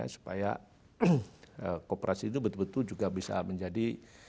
supaya kooperasi itu betul betul juga bisa menjadi